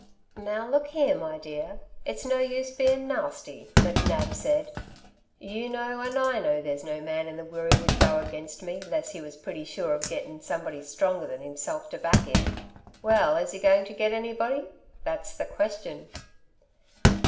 "Now look here, my dear, it's no use bein' nasty," McNab said. "You know and I know, there's no man in the Wirree would go against me 'less he was pretty sure of getting somebody stronger than himself to back him. Well, is he going to get anybody? That's the question."